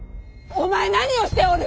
お前何をしておる！